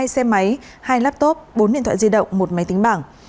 hai xe máy hai laptop bốn điện thoại di động một máy tính bảng